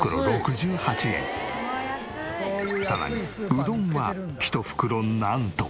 さらにうどんは１袋なんと。